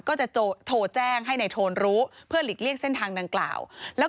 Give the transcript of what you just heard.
ก็จะโทรแจ้งให้นายโทนรู้เพื่อหลีกเลี่ยงเส้นทางดังกล่าวแล้ว